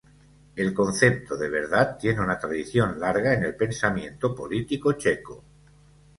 El concepto de verdad tiene una tradición larga en el pensamiento político checo.